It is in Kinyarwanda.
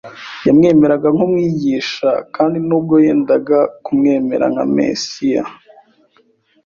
Yamwemeraga nk'Umwigisha, kandi nubwo yendaga kumwemera nka Mesiya,